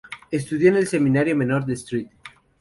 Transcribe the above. Estudió en el Seminario Menor de St.